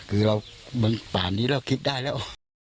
คือตอนนี้เราคิดได้แล้ว